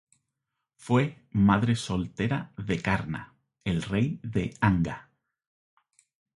Fue madre soltera de Karna, el rey de Anga.